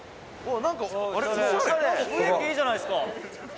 宮田：いいじゃないですか！